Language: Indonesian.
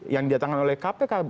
yang diatakan oleh kpk